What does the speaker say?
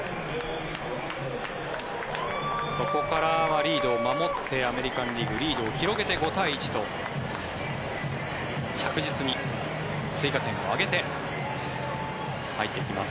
そこからはリードを守ってアメリカン・リーグリードを広げて５対１と、着実に追加点を挙げて入っていきます。